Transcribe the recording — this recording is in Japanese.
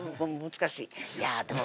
難しい。